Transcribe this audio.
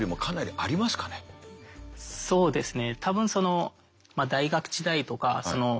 そうですね。